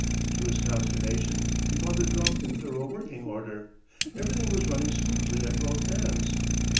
To his consternation, he found the drum in thorough working order. Everything was running smoothly at both ends.